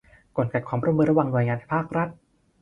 กลไกความร่วมมือระหว่างหน่วยงานภาครัฐ